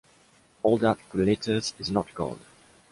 All that glitters is not gold.